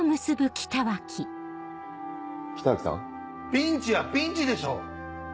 ピンチはピンチでしょ！